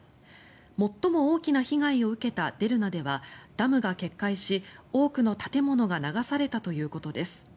最も大きな被害を受けたデルナではダムが決壊し、多くの建物が流されたということです。